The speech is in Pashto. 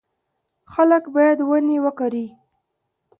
خلک باید ونې وکري.